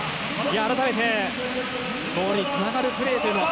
改めて、ゴールにつながるプレーというのも。